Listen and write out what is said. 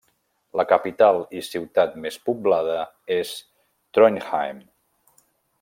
La capital i ciutat més poblada és Trondheim.